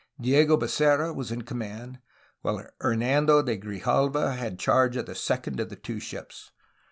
Diego Becerra was in command, while Hernan do de Grijalva had charge of the second of the two ships.